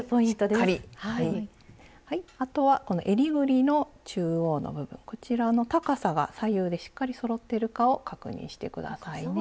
あとはこのえりぐりの中央の部分こちらの高さが左右でしっかりそろっているかを確認して下さいね。